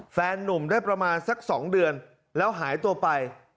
แฟนนุ่มได้ประมาณสัก๒เดือนแล้วหายตัวไป